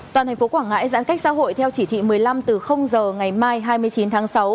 toàn thành phố quảng ngãi giãn cách xã hội theo chỉ thị một mươi năm từ giờ ngày mai hai mươi chín tháng sáu